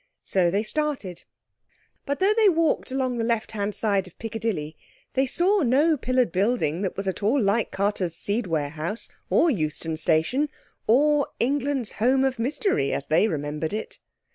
So they started. But though they walked along the left hand side of Piccadilly they saw no pillared building that was at all like Carter's seed warehouse or Euston Station or England's Home of Mystery as they remembered it.